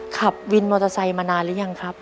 ขับวินมอเตอร์ไซค์มานานหรือยังครับ